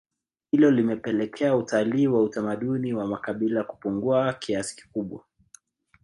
hilo limepelekea utalii wa utamaduni wa makabila kupungua kiasi kikubwa